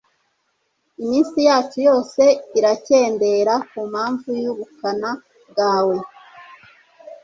Iminsi yacu yose irakendera ku mpamvu y’ubukana bwawe